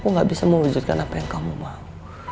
aku gak bisa mewujudkan apa yang kamu mau